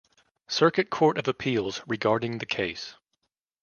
Circuit Court of Appeals regarding the case.